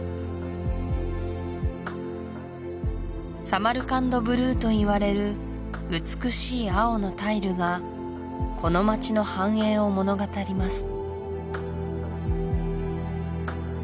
サマルカンドブルーといわれる美しい青のタイルがこの町の繁栄を物語ります